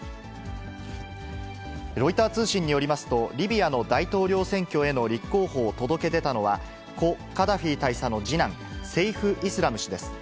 ロイター通信によりますと、リビアの大統領選挙への立候補を届け出たのは、故・カダフィ大佐の次男、セイフ・イスラム氏です。